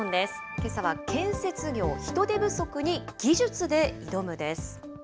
けさは建設業、人手不足に技術で挑むです。